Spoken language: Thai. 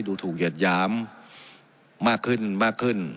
ดูถูกเหยียดหยามมากขึ้นมากขึ้น